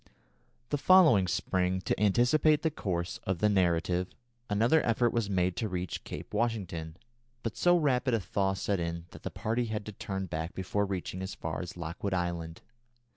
The following spring, to anticipate the course of the narrative, another effort was made to reach Cape Washington, but so rapid a thaw set in that the party had to turn back before reaching as far as Lockwood Island.